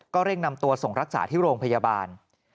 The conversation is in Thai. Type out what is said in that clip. เร่งนำตัวส่งรักษาที่โรงพยาบาล